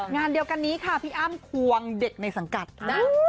งานเดียวกันนี้ค่ะพี่อ้ำควงเด็กในสังกัดนะ